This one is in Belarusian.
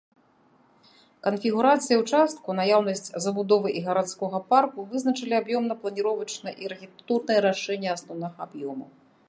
Канфігурацыя ўчастку, наяўнасць забудовы і гарадскога парку вызначылі аб'ёмна-планіровачнае і архітэктурнае рашэнне асноўнага аб'ёму.